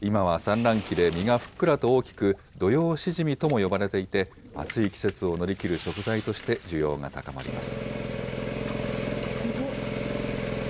今は産卵期で身がふっくらと大きく、土用シジミとも呼ばれていて、暑い季節を乗り切る食材として需要が高まります。